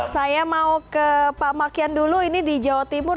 saya mau ke pak makian dulu ini di jawa timur